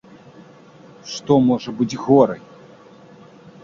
Што можа быць горай?